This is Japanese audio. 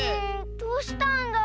どうしたんだろう。